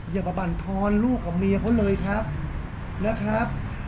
อย่ามาบรรทอนลูกกับเมียเขาเลยครับนะครับ